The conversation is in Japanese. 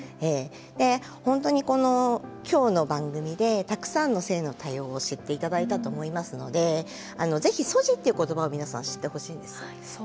で本当にこの今日の番組でたくさんの性の多様を知って頂いたと思いますので是非ＳＯＧＩっていう言葉を皆さん知ってほしいんです。